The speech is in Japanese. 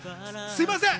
すみません。